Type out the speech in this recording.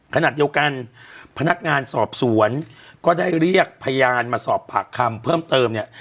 ขณะเดียวกันพนักงานสอบสวนก็ได้เรียกพยานมาสอบปากคำเพิ่มเติมเนี่ย